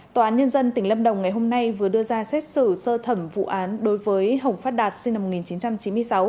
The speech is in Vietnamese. tòa án nhân dân tỉnh lâm đồng ngày hôm nay vừa đưa ra xét xử sơ thẩm vụ án đối với hồng phát đạt sinh năm một nghìn chín trăm chín mươi sáu